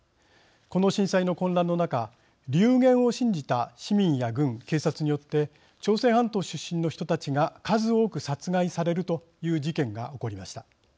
この震災の混乱の中流言を信じた市民や軍警察によって朝鮮半島出身の人たちが数多く殺害されるという事件が起こりました。